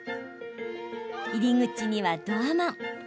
入り口にはドアマン。